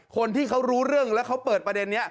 คนที่เขารู้เรื่องแล้วเขาเปิดประเด็นนี้